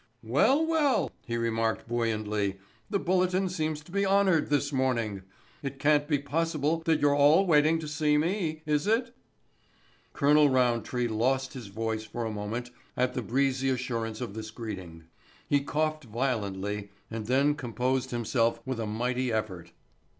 "Well, well," he remarked buoyantly, "the Bulletin seems to be honored this morning. It can't be possible that you're all waiting to see me, is it?" Colonel Roundtree lost his voice for a moment at the breezy assurance of this greeting. He coughed violently and then composed himself with a mighty effort.